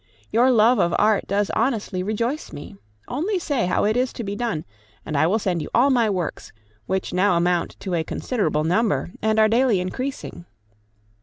Your love of art does honestly rejoice me. Only say how it is to be done, and I will send you all my works, which now amount to a considerable number, and are daily increasing.